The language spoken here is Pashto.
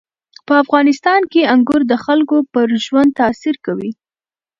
په افغانستان کې انګور د خلکو پر ژوند تاثیر کوي.